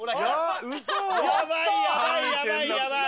やばいやばいやばいやばい！